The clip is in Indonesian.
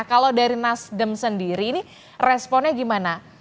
kalau dari nasdem sendiri ini responnya gimana